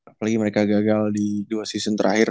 apalagi mereka gagal di dua season terakhir